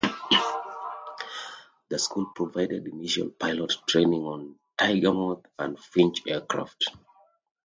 The school provided initial pilot training on Tiger Moth and Finch aircraft.